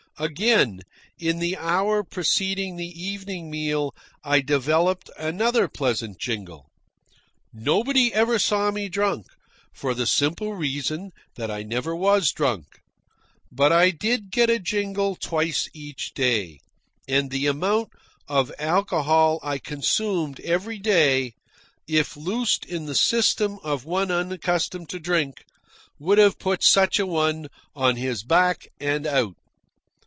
Again, in the hour preceding the evening meal, I developed another pleasant jingle. Nobody ever saw me drunk, for the simple reason that I never was drunk. But I did get a jingle twice each day; and the amount of alcohol I consumed every day, if loosed in the system of one unaccustomed to drink, would have put such a one on his back and out.